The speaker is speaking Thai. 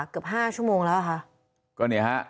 เกือบ๕ชั่วโมงแล้วค่ะ